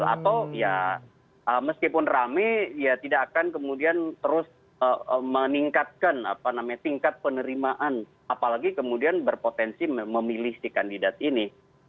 atau ya meskipun rame ya tidak akan kemudian terus meningkatkan tingkat penerimaan apalagi kemudian berpotensi memilih si kandidat ini